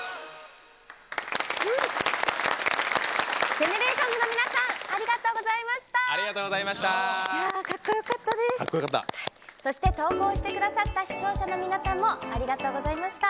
ＧＥＮＥＲＡＴＩＯＮＳの皆さんありがとうございました。